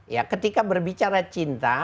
ya ketika berbicara cinta